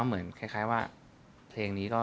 เหมือนคล้ายว่าเพลงนี้ก็